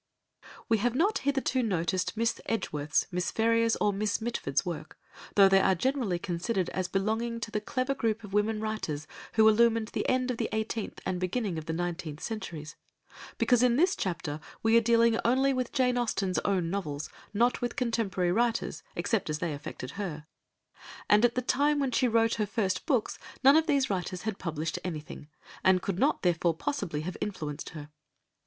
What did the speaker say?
We have not hitherto noticed Miss Edgeworth's, Miss Ferrier's, or Miss Mitford's work, though they are generally considered as belonging to the clever group of women writers who illumined the end of the eighteenth and beginning of the nineteenth centuries, because in this chapter we are dealing only with Jane Austen's own novels, not with contemporary writers except as they affected her, and at the time when she wrote her first books none of these writers had published anything, and could not therefore possibly have influenced her.